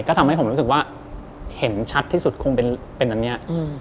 ก็ทำให้ผมรู้สึกว่าเห็นชัดที่สุดคงเป็นอันนี้